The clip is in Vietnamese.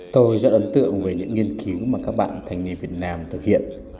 tôi rất ấn tượng về những nghiên cứu mà các bạn thanh niên việt nam thực hiện